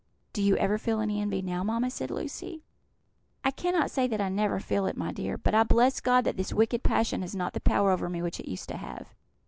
"Do you ever feel any envy now, mamma?" said Lucy. "I cannot say that I never feel it, my dear; but I bless God that this wicked passion has not the power over me which it used to have."